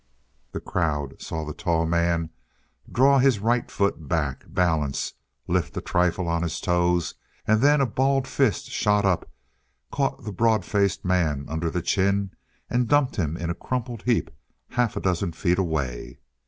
The crowd saw the tall man draw his right foot back, balance, lift a trifle on his toes, and then a balled fist shot up, caught the broad faced man under the chin and dumped him in a crumpled heap half a dozen feet away.